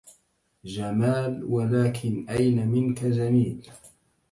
جمال ولكن أين منك جميل